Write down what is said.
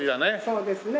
そうですね。